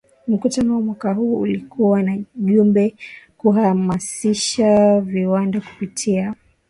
Mkutano wa mwaka huu ulikuwa na ujumbe kuhamasisha viwanda kupitia